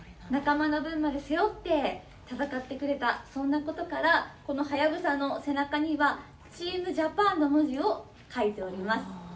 仲間の分まで背負って、戦ってくれた、そんなことから、このハヤブサの背中には、チームジャパンの文字を書いております。